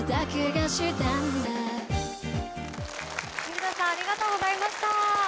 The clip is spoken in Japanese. みぬたさんありがとうございました。